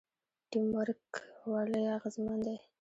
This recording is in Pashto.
ټیم ورک ولې اغیزمن دی؟